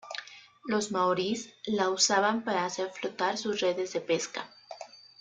Los maoríes la usaban para hacer flotar sus redes de pesca.